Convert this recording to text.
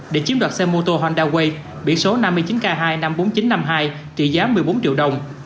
để chiếm đoạt xe mô tô honda way biển số năm mươi chín k hai trăm năm mươi bốn nghìn chín trăm năm mươi hai trị giá một mươi bốn triệu đồng